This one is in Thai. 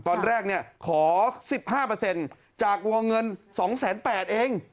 ตอนแรกขอ๑๕จากวงเงิน๒๘๐๐เอง